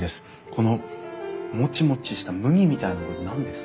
このもちもちした麦みたいなの何ですか？